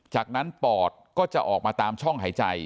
จากนั้นปอดก็จะออกมาตามช่องหายใจ